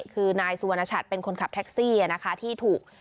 คือนายสุวรรณชัดเป็นคนขับแท็กซี่นะคะที่ถูก